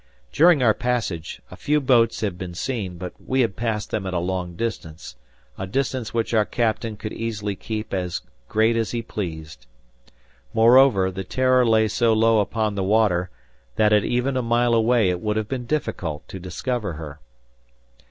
During our passage, a few boats had been seen, but we had passed them at a long distance, a distance which our captain could easily keep as great as he pleased. Moreover, the "Terror" lay so low upon the water, that at even a mile away it would have been difficult to discover her.